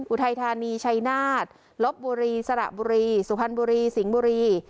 อุทัยธานีชัยนาฏลบบุรีสระบุรีสุพรรณบุรีสิงห์บุรี